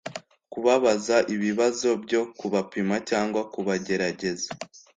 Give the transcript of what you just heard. Kubabaza ibibazo byo kubapima cyangwa kubagerageza